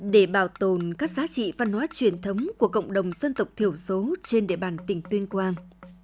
để bảo tồn các giá trị văn hóa truyền thống của cộng đồng dân tộc thiểu số trên địa bàn tỉnh tuyên quang